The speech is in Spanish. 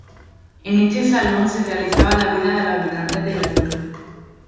En este salón se realizaba la vida de los habitantes de la torre.